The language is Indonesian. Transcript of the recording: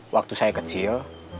waktu saya kecil